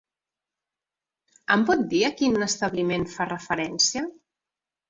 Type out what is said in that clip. Em pot dir a quin establiment fa referència?